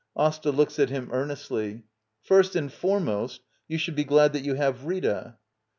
Asta. [Looks at him earnestly.] First and foremost, you should be glad that you have Rita.